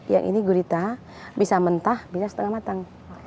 yang ini gurita bisa mentah bisa setengah matang